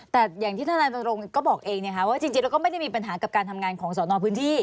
แต่อย่างที่ทนายรณรงค์ก็บอกเองว่าจริงแล้วก็ไม่ได้มีปัญหากับการทำงานของสอนอพื้นที่